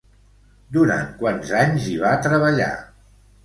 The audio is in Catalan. Durant quants anys hi va treballar?